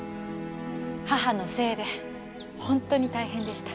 母のせいで本当に大変でした。